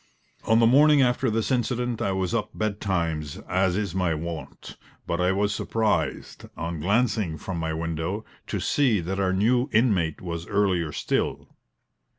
On the morning after this incident I was up betimes, as is my wont; but I was surprised, on glancing from my window, to see that our new inmate was earlier still.